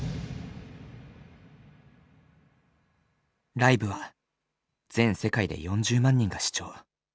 ライブは全世界で４０万人が視聴。